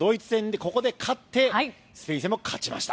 ここで勝ってスペイン戦も勝ちました。